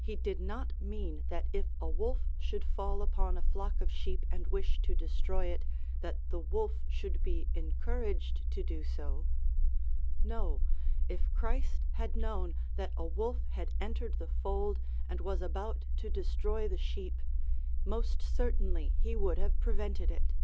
He did not mean that if a wolf should fall upon a flock of sheep and wish to destroy it, that the wolf should be encouraged to do so. No, if Christ had known that a wolf had entered the fold and was about to destroy the sheep, most certainly he would have prevented it.